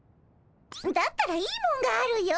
だったらいいもんがあるよ。